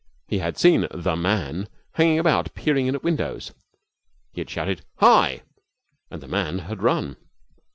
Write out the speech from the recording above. He had seen The Man hanging about, peering in at windows. He had shouted 'Hi!' and The Man had run.